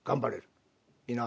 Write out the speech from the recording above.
いいな？